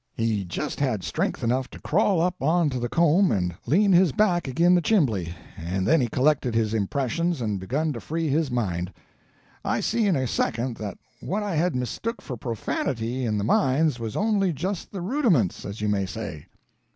"He just had strength enough to crawl up on to the comb and lean his back agin the chimbly, and then he collected his impressions and begun to free his mind. I see in a second that what I had mistook for profanity in the mines was only just the rudiments, as you may say.